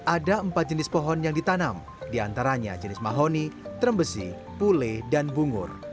ada empat jenis pohon yang ditanam diantaranya jenis mahoni terembesi pule dan bungur